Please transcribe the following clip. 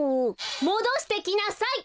もどしてきなさい！